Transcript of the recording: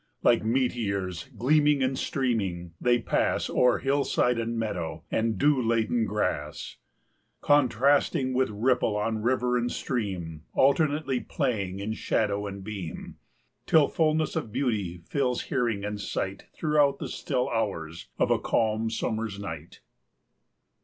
Like meteors, gleaming and streaming, they pass O'er hillside and meadow, and dew laden grass, Contrasting with ripple on river and stream, Alternately playing in shadow and beam, Till fullness of beauty fills hearing and sight Throughout the still hours of a calm summer's night.